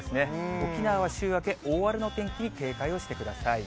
沖縄は週明け、大荒れの天気に警戒をしてください。